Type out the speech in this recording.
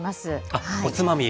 あっおつまみ。